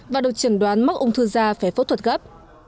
và được chẩn đoán mắc ung thư da phải phẫu thuật gấp